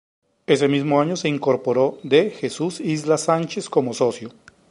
En ese mismo año se incorporó D. Jesús Isla Sánchez como socio.